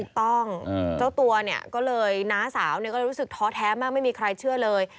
เจ้าตัวเนี่ยก็เลยน้าสาวก็เลยรู้สึกท้อแท้มากไม่มีใครเชื่อเลย